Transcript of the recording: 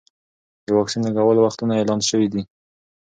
د واکسین لګولو وختونه اعلان شوي دي.